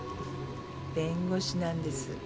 弁護士なんです。